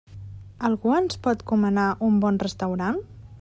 Algú ens pot comanar un bon restaurant?